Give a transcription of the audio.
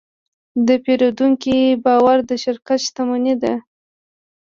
د پیرودونکي باور د شرکت شتمني ده.